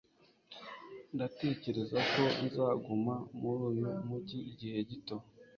Ndatekereza ko nzaguma muri uyu mujyi igihe gito.